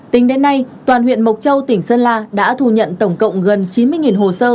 tính đến nay toàn huyện mộc châu tỉnh sơn la đã thu nhận tổng cộng gần chín mươi hồ sơ